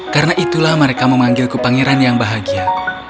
karena itulah mereka memanggilku pangeran yang bahagia